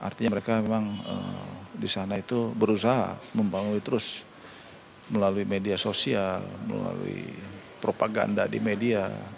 artinya mereka memang di sana itu berusaha membangun terus melalui media sosial melalui propaganda di media